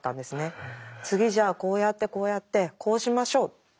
「次じゃあこうやってこうやってこうしましょう」。